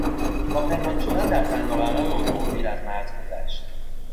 با پنهان شدن در صندوق عقب اتومبیل از مرز گذشت.